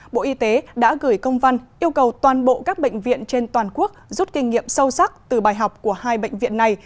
bộ y tế đã gửi công văn yêu cầu toàn bộ các bệnh viện trên toàn quốc rút kinh nghiệm sâu sắc từ bài học của hai bệnh viện này